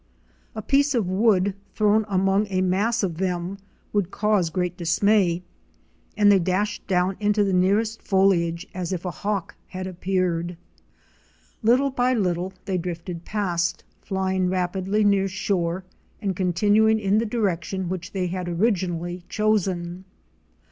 A piece of wood thrown among a mass of them would cause great dismay, and they dashed down into the nearest foliage STEAMER AND LAUNCH TO HOORIE CREEK. 157 as if a Hawk had appeared. Little by little they drifted past, flying rapidly near shore, and continuing in the direction which they had originally chosen.